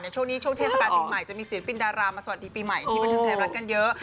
ช่วงนี้ช่วงเทศกาลปีใหม่จะมีศิลปินดารามาสวัสดีปีใหม่ที่บันเทิงไทยรัฐกันเยอะ